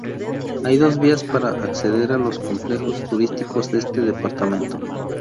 Hay dos vías para acceder a los complejos turísticos de este departamento.